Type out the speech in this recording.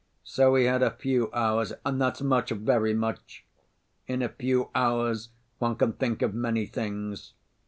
So he had a few hours and that's much, very much! In a few hours one can think of many things.